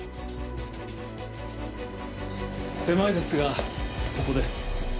狭いですがここで。